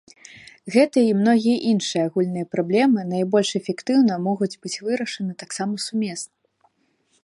Гэтая і многія іншыя агульныя праблемы найбольш эфектыўна могуць быць вырашаны таксама сумесна.